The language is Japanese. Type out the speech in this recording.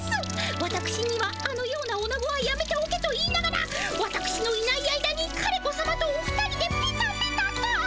わたくしにはあのようなおなごはやめておけと言いながらわたくしのいない間に枯れ子さまとお二人でペタペタと。